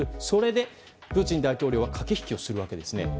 それでプーチン大統領は駆け引きをするわけです。